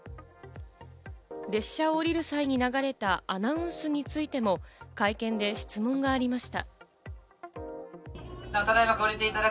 列車を降りる際に流れたアナウンスについても会見で質問がありました。